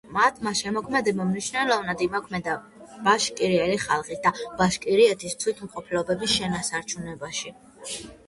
მათმა შემოქმედებამ მნიშვნელოვანად იმოქმედა ბაშკირელი ხალხის და ბაშკირეთის თვითმყოფადობის შენარჩუნებაში.